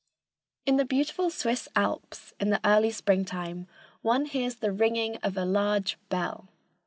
In the beautiful Swiss Alps, in the early springtime, one hears the ringing of a large bell.